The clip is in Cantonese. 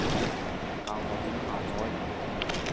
教我點下載？